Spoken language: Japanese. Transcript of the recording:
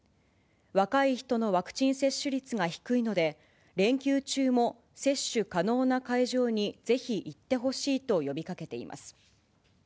若い人のワクチン接種率が低いので、連休中も接種可能な会場にぜひ行ってほしいと呼びかけています。